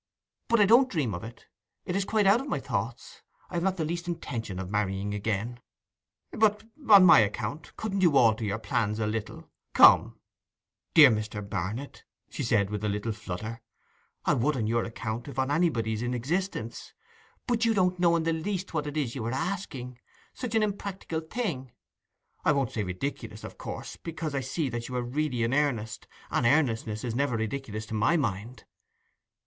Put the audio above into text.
But I don't dream of it—it is quite out of my thoughts; I have not the least intention of marrying again.' 'But—on my account—couldn't you alter your plans a little? Come!' 'Dear Mr. Barnet,' she said with a little flutter, 'I would on your account if on anybody's in existence. But you don't know in the least what it is you are asking—such an impracticable thing—I won't say ridiculous, of course, because I see that you are really in earnest, and earnestness is never ridiculous to my mind.